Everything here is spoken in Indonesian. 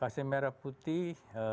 vaksin merah putih